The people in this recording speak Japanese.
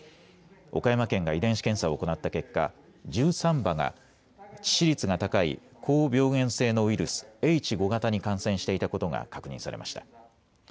岡山県が遺伝子検査を行った結果、１３羽が致死率が高い高病原性のウイルス、Ｈ５型に感染していたことが確認されました。